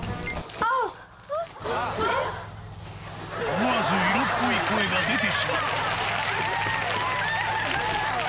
思わず色っぽい声が出てしまう。